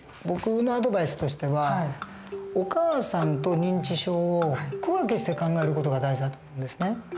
僕のアドバイスとしてはお母さんと認知症を区分けして考える事が大事だと思うんですね。